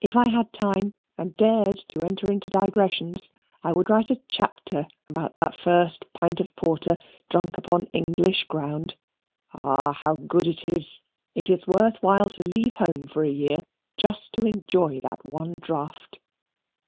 If I had time and dared to enter into digressions, I would write a chapter about that first pint of porter drunk upon English ground. Ah, how good it is! It is worth while to leave home for a year, just to enjoy that one draught.